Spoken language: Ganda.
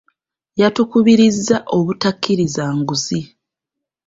Yatukubirizza obutakkiriza nguzi.